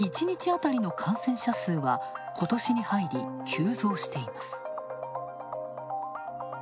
１日あたりの感染者数は、今年に入り急増しています。